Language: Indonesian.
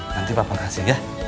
nanti papa kasih ya